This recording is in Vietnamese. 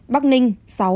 bắc ninh sáu